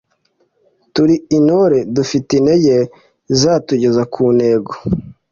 Turi intore dufite intege zizatugeza ku ntego